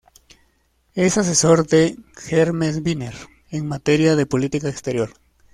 Es asesor de Hermes Binner en materia de política exterior.